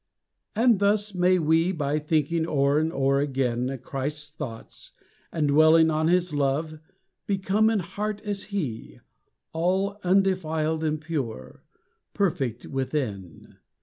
And thus May we by thinking o'er and o'er again Christ's thoughts, and dwelling on his love, become In heart as he, all undefiled and pure, Perfect within.